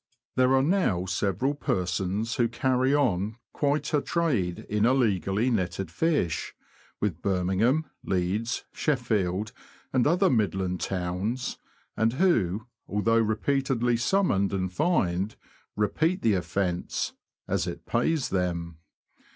There are now several persons who carry on quite a trade in illegally netted fish, with Birmingham, Leeds, Sheffield, and other Midland towns, and who, although repeatedly summoned and fined, repeat the offence, as it pays them.